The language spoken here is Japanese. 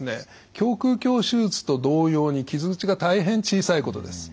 胸腔鏡手術と同様に傷口が大変小さいことです。